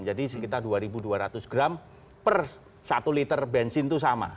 jadi sekitar dua ribu dua ratus gram per satu liter bensin itu sama